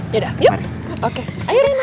yaudah yuk ayo reina